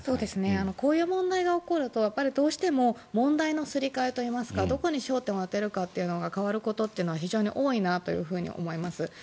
こういう問題が起きるとどうしても問題のすり替えといいますかどこに焦点を当てるかというのが変わることというのは非常に多いなと思います。